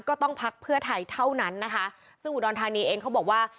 พักเพื่อไทยเท่านั้นนะคะซึ่งอุดรธานีเองเขาบอกว่า